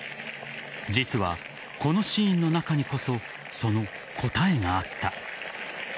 実はこのシーンの中にこそその答えがあった。